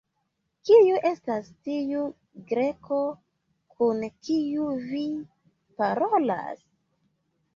Kiu estas tiu Greko, kun kiu vi parolas?